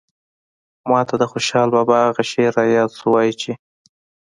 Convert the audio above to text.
ماته د خوشال بابا هغه شعر راياد شو وايي چې